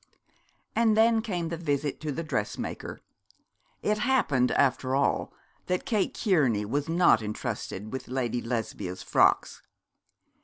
And then came the visit to the dressmaker. It happened after all that Kate Kearney was not intrusted with Lady Lesbia's frocks.